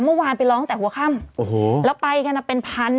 เมื่อวานไปรอตั้งแต่หัวข้ำแล้วไปกันเป็นพัน